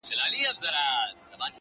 چي عطار دوکان ته راغی ډېر خپه سو-